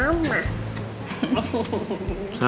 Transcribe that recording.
sama kamu juga nak